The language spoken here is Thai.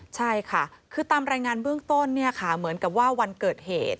ใช่ค่ะคือตามรายงานเบื้องต้นเนี่ยค่ะเหมือนกับว่าวันเกิดเหตุ